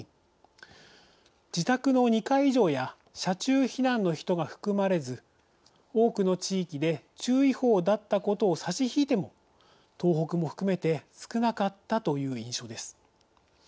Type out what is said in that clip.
自宅の２階以上や車中避難の人が含まれず多くの地域で注意報だったことを差し引いても東北も含めて少なかったという印象です。